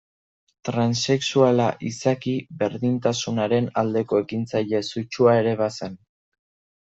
Transexuala izaki, berdintasunaren aldeko ekintzaile sutsua ere bazen.